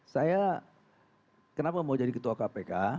saya kenapa mau jadi ketua kpk